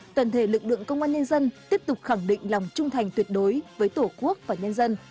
toàn thể lực lượng công an nhân dân tiếp tục khẳng định lòng trung thành tuyệt đối với tổ quốc và nhân dân